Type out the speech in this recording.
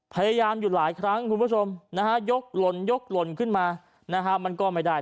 พยายามอยู่หลายครั้งยกหล่นขึ้นมามันก็ไม่ได้